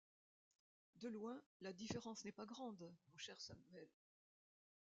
De loin, la différence n’est pas grande, mon cher Samuel.